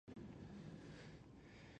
کان تور رنګ درلود او له یورانیم ډک و.